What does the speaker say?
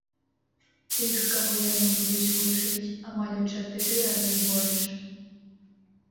Тых, каго яны будуць вучыць, амаль у чатыры разы больш.